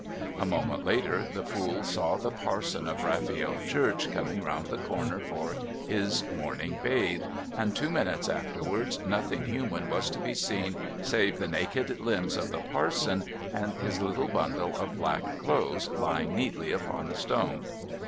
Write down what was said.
A moment later the fool saw the parson of Rafiel Church coming round the corner for his morning bathe, and two minutes afterwards nothing human was to be seen save the naked limbs of the parson and his little bundle of black clothes lying neatly upon a stone.